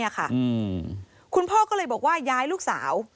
คุณพ่อก็เลยบอกว่าย้ายลูกสาว